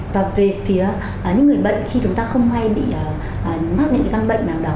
và về phía những người bệnh khi chúng ta không hay bị mất những căn bệnh nào đó